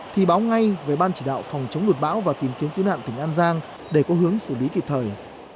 thì báo ngay về ban chỉ đạo phòng chống lụt bão và tìm kiếm cứu nạn tỉnh an giang để có hướng xử lý kịp thời